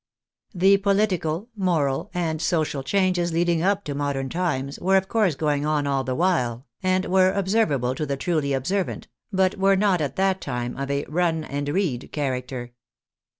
The political, moral and social changes leading up to modern times were of course going on all the while, and were observable to the truly observant, but were not at that time of a " run and read " character.